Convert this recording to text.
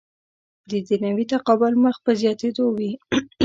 دنیوي تقابل مخ په زیاتېدو وي.